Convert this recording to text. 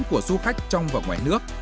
của du khách trong và ngoài nước